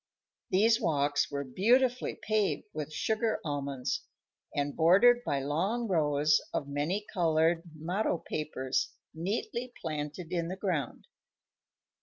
These walks were beautifully paved with sugar almonds and bordered by long rows of many colored motto papers neatly planted in the ground.